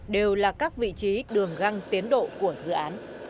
đều là các vị trí đường găng tiến độ của dự án